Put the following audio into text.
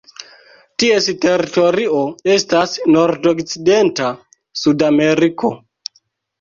Ties teritorio estas nordokcidenta Sudameriko.